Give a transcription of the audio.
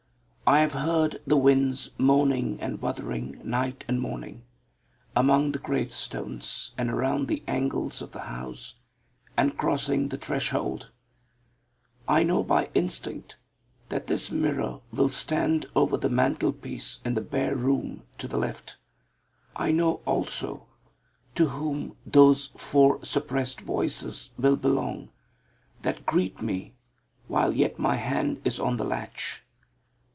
I have heard the winds moaning and wuthering night and morning, among the gravestones, and around the angles of the house; and crossing the threshold, I know by instinct that this mirror will stand over the mantelpiece in the bare room to the left. I know also to whom those four suppressed voices will belong that greet me while yet my hand is on the latch.